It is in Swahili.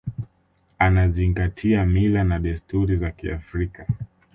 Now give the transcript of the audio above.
anazingati mila na desturi za kiafrika